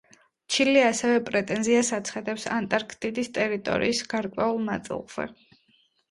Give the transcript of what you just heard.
ჩილე ასევე პრეტენზიას აცხადებს ანტარქტიკის ტერიტორიის გარკვეულ ნაწილზე.